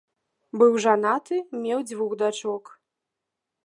Быў жанаты, меў дзвюх дачок.